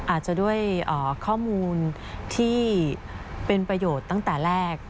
อาจจะด้วยข้อมูลที่เป็นประโยชน์ตั้งแต่แรก